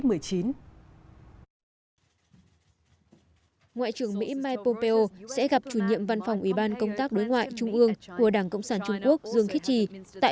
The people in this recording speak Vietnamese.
ngoại trưởng mỹ mike pompeo sẽ gặp chủ nhiệm văn phòng ủy ban công tác đối ngoại trung ương đảng cộng sản trung quốc dương khiết trì tại hawaii mỹ vào ngày mai một mươi bảy tháng sáu